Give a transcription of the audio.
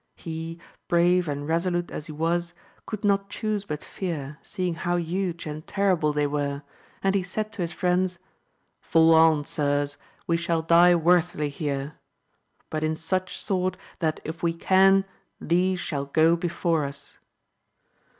He, brave and resolute as he was, conid not chuse but fear, seeing how huge and terriUe they were, and he said to his friends, Fall on sirs, we shall die worthily here, but in such sort, that if we can, these shall go beJPore us.